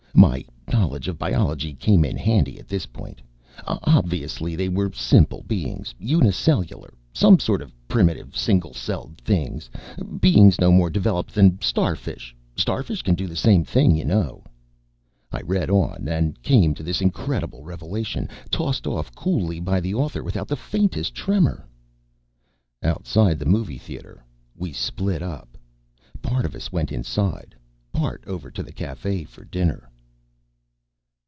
My knowledge of biology came in handy, at this point. Obviously they were simple beings, uni cellular, some sort of primitive single celled things. Beings no more developed than starfish. Starfish can do the same thing, you know. I read on. And came to this incredible revelation, tossed off coolly by the author without the faintest tremor: _... outside the movie theater we split up. Part of us went inside, part over to the cafe for dinner.